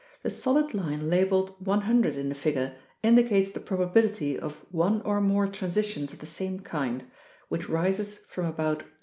The solid line labeled 100 in the figure indicates the probability of one or more transitions of the same kind, which rises from about 0.